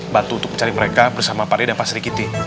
bantu untuk mencari mereka bersama pak ria dan pak serikiti